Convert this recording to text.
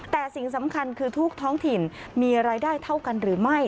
แต่สิ่งสำคัญคือทุกท้องถิ่นมีรายได้เท่ากันหรือไม่